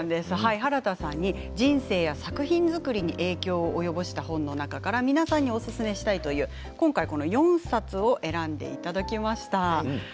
原田さんに人生や作品作りに影響を及ぼした本の中から皆さんにおすすめしたいという今回４冊を選んでいただきました。